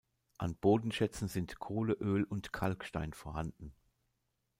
An Bodenschätzen sind Kohle, Öl und Kalkstein vorhanden.